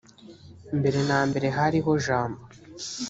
mbere na mbere hariho jambo